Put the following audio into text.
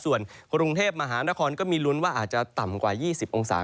ส่วนกรุงเทพมหานครก็มีลุ้นว่าอาจจะต่ำกว่า๒๐องศา